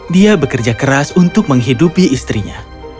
dia bekerja keras untuk menghidupi istrinya